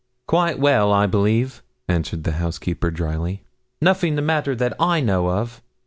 'Quite well, I believe,' answered the housekeeper, drily. 'Nothing the matter that I know of.